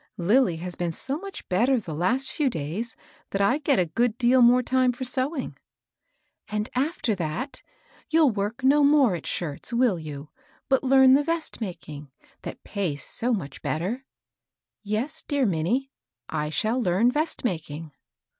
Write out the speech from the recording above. Lilly has been so much better the last few days that I get a good deal more time for sewing." " And after that, you'll work no more at shirts, — will you — but learn the vest making, that pays so much better 1 "Yes, dear Minnie, I shall learn vest making.'